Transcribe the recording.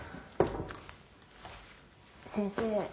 先生